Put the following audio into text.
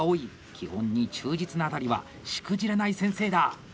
基本に忠実なあたりはしくじらない先生だ！